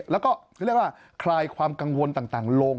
แล้วก็เรียกว่าคลายความกังวลต่างลง